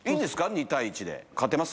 ２対１で勝てます？